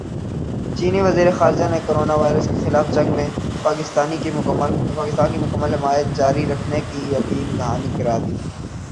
چینی وزیرخارجہ نے کورونا وائرس کےخلاف جنگ میں پاکستان کی مکمل حمایت جاری رکھنے کی یقین دہانی کرادی